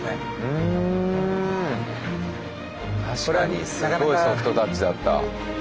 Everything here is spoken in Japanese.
うん確かにすごいソフトタッチだった。